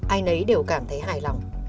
ai nấy đều cảm thấy hài lòng